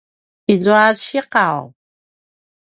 izua ciqaw